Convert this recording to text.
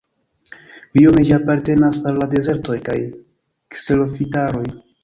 Biome ĝi apartenas al la dezertoj kaj kserofitaroj.